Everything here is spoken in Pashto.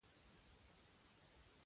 د عقل پر معامله هیڅ اوښیار نه دی لېدلی.